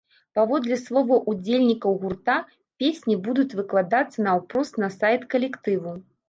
Паводле словаў удзельнікаў гурта, песні будуць выкладацца наўпрост на сайт калектыву.